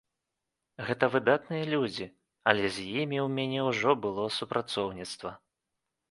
Гэта выдатныя людзі, але з імі ў мяне ўжо было супрацоўніцтва.